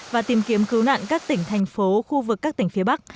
và tìm kiếm cứu nạn các tỉnh thành phố khu vực các tỉnh phía bắc